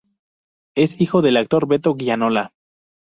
Es hijo del actor Beto Gianola.